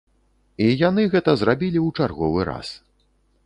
І яны гэта зрабілі ў чарговы раз.